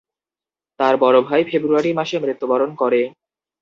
তার বড় ভাই ফেব্রুয়ারি মাসে মৃত্যুবরণ করে।